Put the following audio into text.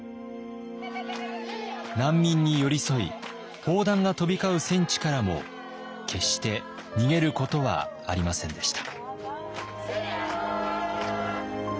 難民に寄り添い砲弾が飛び交う戦地からも決して逃げることはありませんでした。